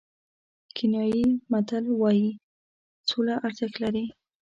کینیايي متل وایي سوله ارزښت لري.